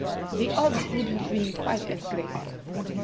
The odds would have been quite as great."